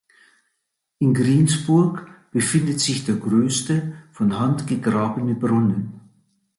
In Greensburg befindet sich der größte von Hand gegrabene Brunnen.